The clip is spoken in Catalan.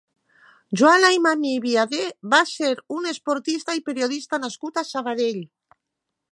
Joan Aymamí Viadé va ser un esportista i periodista nascut a Sabadell.